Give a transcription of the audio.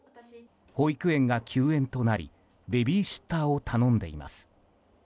保育園が休園となりベビーシッターを頼んでいます。